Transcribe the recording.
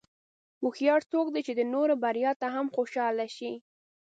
هوښیار څوک دی چې د نورو بریا ته هم خوشاله شي.